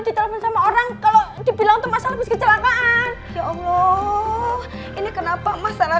ditelepon sama orang kalau dibilang untuk masalah kecelakaan ya allah ini kenapa masalah